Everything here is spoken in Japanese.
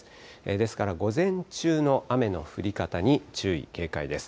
ですから午前中の雨の降り方に注意、警戒です。